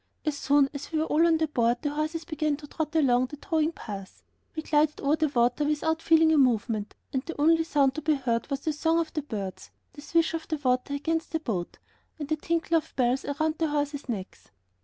As soon as we were all on the boat the horses began to trot along the towing path; we glided over the water without feeling a movement, and the only sound to be heard was the song of the birds, the swish of the water against the boat, and the tinkle of bells around the horses' necks.